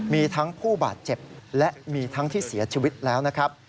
มีทั้งผู้บาดเจ็บและมีทั้งที่เสียชีวิตแล้วนะครับ